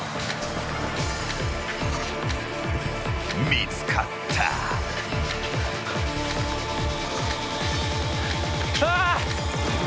［見つかった］ああ！？